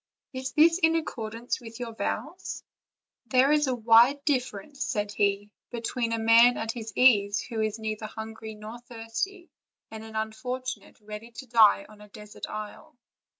Is this in accordance with your vows?" "There is a wide difference," said he, "between a man at his ease, who is neither hungry nor thirsty, and an unfortunate ready to die in a desert isle."